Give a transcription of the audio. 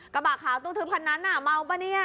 กระบะขาวตู้ทึบคันนั้นน่ะเมาป่ะเนี่ย